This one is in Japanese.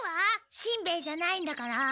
しんべヱじゃないんだから。